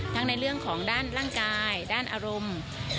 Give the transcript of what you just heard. ในเรื่องของด้านร่างกายด้านอารมณ์